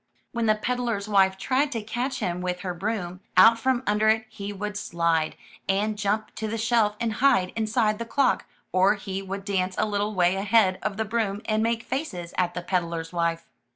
When the peddler's wife tried to catch him with her broom, out from under it he would slide, and jump to the shelf and hide inside the clock, or he would dance a little way ahead of the broom and make faces at the peddler's wife.